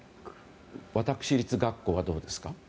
私立学校はどうですか？